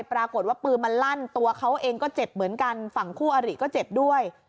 ปรากฏว่าปืนมันลั่นตัวเขาเองก็เจ็บเหมือนกันฝั่งคู่อริก็เจ็บด้วย